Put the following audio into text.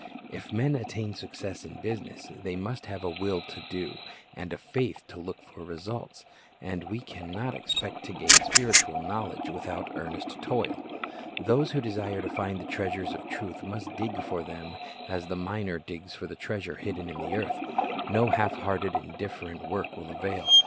If men attain success in business, they must have a will to do, and a faith to look for results. And we can not expect to gain spiritual knowledge without earnest toil. Those who desire to find the treasures of truth must dig for them as the miner digs for the treasure hidden in the earth. No half hearted, indif ferent work will avail.